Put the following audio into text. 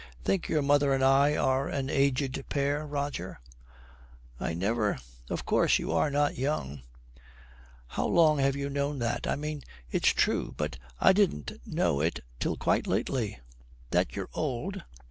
'Think your mother and I are an aged pair, Roger?' 'I never of course you are not young.' 'How long have you known that? I mean, it's true but I didn't know it till quite lately.' 'That you're old?'